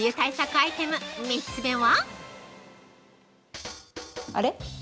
アイテム３つ目は◆